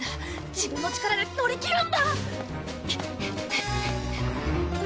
自分の力で乗り切るんだ。